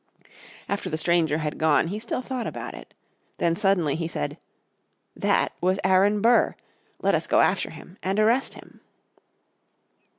After the stranger had gone he still thought about it. Then suddenly he said, "That was Aron Burr. Let us go after him and arrest him."